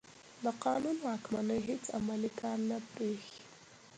د قانون واکمني هېڅ عملي کار نه برېښي.